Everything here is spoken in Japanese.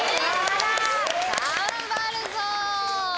頑張るぞ。